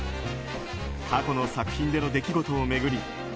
過去の作品での出来事を巡り